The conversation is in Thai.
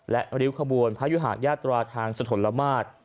และริ้วขบวนพระยุหายาตราทางสถนละมาตร